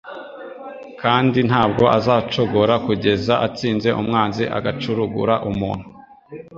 kandi ntabwo azacogora kugeza atsinze umwanzi agacurugura umuntu.